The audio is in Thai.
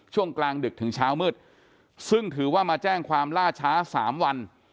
ช่วงกลางดึกถึงเช้ามืดซึ่งถือว่ามาแจ้งความล่าช้า๓วัน